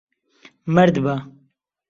مەرد بە.